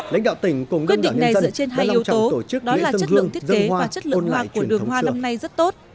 lãnh đạo tỉnh cùng dân đảo nhân dân đã làm chẳng tổ chức lễ dân hương dân hoa ôn lại truyền thống xưa